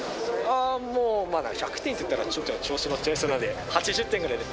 あー、もう、１００点といったらちょっと調子に乗っちゃいそうなので、８０点ぐらいで。